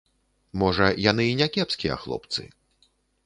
Можа, яны і някепскія хлопцы.